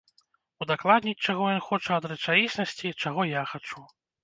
Удакладніць, чаго ён хоча ад рэчаіснасці, чаго я хачу.